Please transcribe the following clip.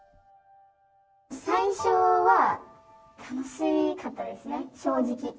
最初は楽しかったですね、正直。